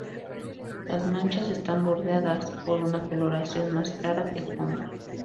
Las manchas están bordeadas por una coloración más clara que el fondo.